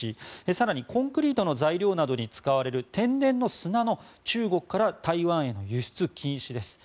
更にコンクリートの材料などに使われる天然の砂の中国から台湾への輸出禁止です。